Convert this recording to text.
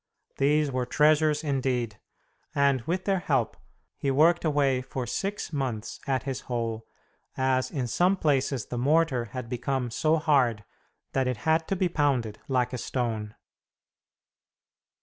These were treasures indeed! And with their help he worked away for six months at his hole, as in some places the mortar had become so hard that it had to be pounded like a stone.